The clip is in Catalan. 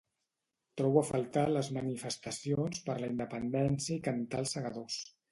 Trobo a faltar les manifestacions per la independència i cantar els segadors